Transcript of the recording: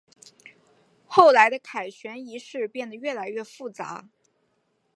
后来的凯旋仪式变得越来越复杂。